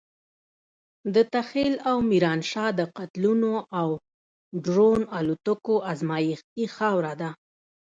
دته خېل او ميرانشاه د قتلونو او ډرون الوتکو ازمايښتي خاوره ده.